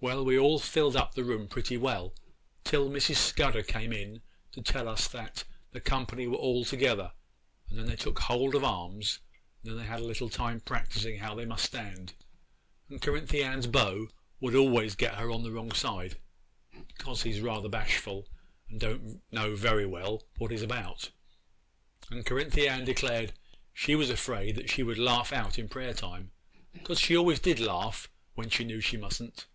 'Well, we all filled up the room pretty well, till Mrs. Scudder came in to tell us that the company were all together, and then they took hold of arms, and they had a little time practising how they must stand; and Cerinthy Ann's beau would always get her on the wrong side, 'cause he's rather bashful, and don't know very well what he's about; and Cerinthy Ann declared she was afraid that she should laugh out in prayer time, 'cause she always did laugh when she knew she mus'n't.